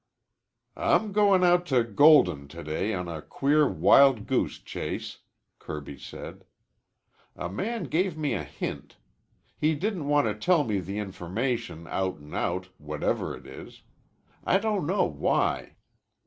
"I'm goin' out to Golden to day on a queer wild goose chase," Kirby said. "A man gave me a hint. He didn't want to tell me the information out an' out, whatever it is. I don't know why.